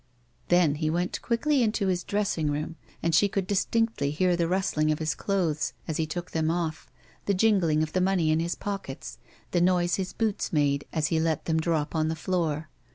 Then he went quickly into his dressing room, and she could distinctly hear the rustling of his clothes as he took them off, the jingling of the money in his pockets, the noise his boots made as he let them drop on the floor.